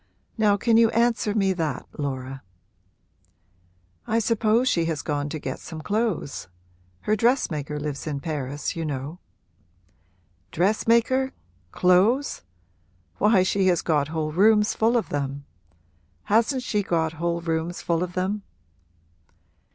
Now can you answer me that, Laura?' 'I suppose she has gone to get some clothes: her dressmaker lives in Paris, you know.' 'Dressmaker? Clothes? Why, she has got whole rooms full of them. Hasn't she got whole rooms full of them?'